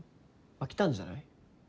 飽きたんじゃない？